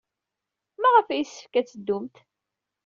Maɣef ay yessefk ad teddumt?